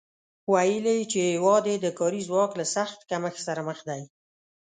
ویلي چې هېواد یې د کاري ځواک له سخت کمښت سره مخ دی